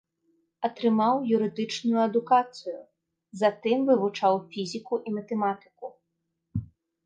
Атрымаў юрыдычную адукацыю, затым вывучаў фізіку і матэматыку.